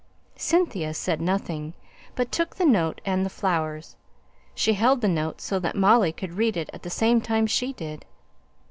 Cynthia said nothing, but took the note and the flowers. She held the note so that Molly could read it at the same time she did.